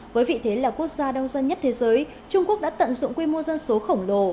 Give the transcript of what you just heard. với vị thế là quốc gia đông dân nhất thế giới trung quốc đã tận dụng quy mô dân số khổng lồ